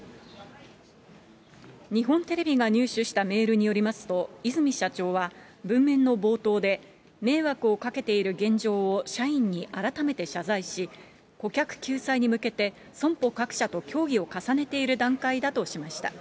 日本テレビが入手したメールによりますと、和泉社長は、文面の冒頭で、迷惑をかけている現状を社員に改めて謝罪し、顧客救済に向けて、損保各社と協議を重ねている段階だとしました。